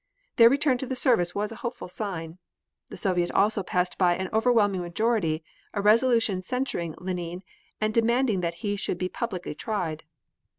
Their return to the service was a hopeful sign. The Soviet also passed by an overwhelming majority a resolution censuring Lenine, and demanding that he should be publicly tried.